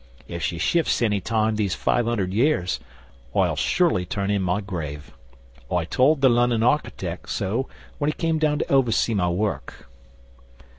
If she shifts any time these five hundred years, I'll sure ly turn in my grave. I told the Lunnon architec' so when he come down to oversee my work.